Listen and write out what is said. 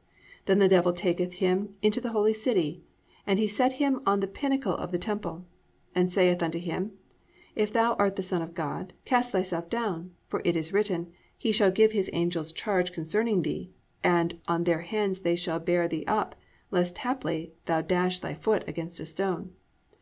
(5) Then the devil taketh him into the Holy City; and he set him on the pinnacle of the temple. (6) And saith unto Him, If thou art the Son of God, cast thyself down: for it is written, he shall give his angels charge concerning thee: and, on their hands they shall bear thee up, lest haply thou dash thy foot against a stone.